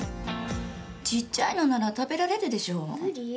ちっちゃいのなら食べられる無理。